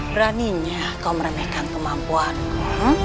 beraninya kau merenekkan kemampuanmu